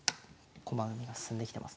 駒組みが進んできてますね。